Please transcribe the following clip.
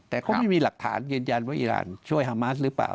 แต่ก็ไม่มีหลักฐานยืนยันว่าอีรานช่วยฮามาสหรือเปล่า